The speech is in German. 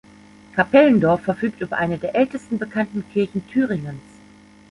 Kapellendorf verfügt über eine der ältesten bekannten Kirchen Thüringens.